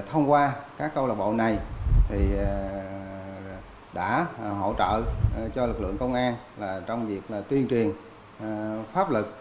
thông qua các câu lạc bộ này đã hỗ trợ cho lực lượng công an trong việc tuyên truyền pháp lực